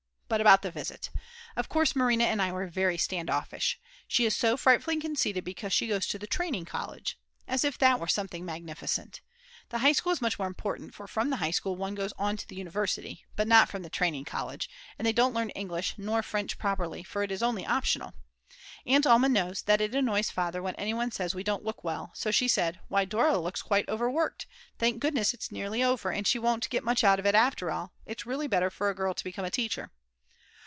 But about the visit! Of course Marina and I were very standoffish. She is so frightfully conceited because she goes to the Training College. As if that were something magnificent! The High School is much more important, for from the High School one goes on to the university, but not from the Training College; and they don't learn English, nor French properly, for it is only optional. Aunt Alma knows that it annoys Father when anyone says we don't look well, so she said: "Why, Dora looks quite overworked; thank goodness it's nearly over, and she won't get much out of it after all, it's really better for a girl to become a teacher."